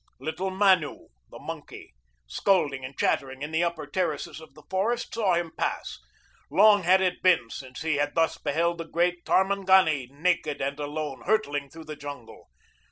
Little Manu, the monkey, scolding and chattering in the upper terraces of the forest, saw him pass. Long had it been since he had thus beheld the great Tarmangani naked and alone hurtling through the jungle.